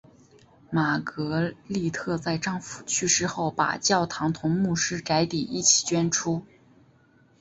玛格丽特在丈夫去世后把教堂同牧师宅邸一起捐出。